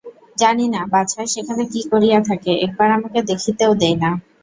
জানি না, বাছা সেখানে কি করিয়া থাকে, একবার আমাকে দেখিতেও দেয় না!